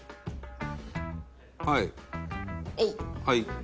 はい。